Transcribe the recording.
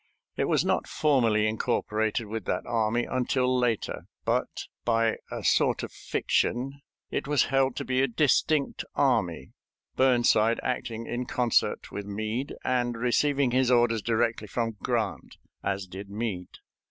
It was not formally incorporated with that army until later, but, by a sort of fiction, it was held to be a distinct army, Burnside acting in concert with Meade, and receiving his orders directly from Grant, as did Meade.